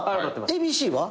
ＡＢＣは？